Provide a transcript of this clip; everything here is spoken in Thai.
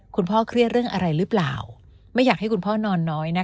เครียดเรื่องอะไรหรือเปล่าไม่อยากให้คุณพ่อนอนน้อยนะคะ